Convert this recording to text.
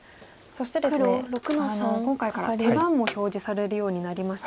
そしてですね今回から手番も表示されるようになりまして。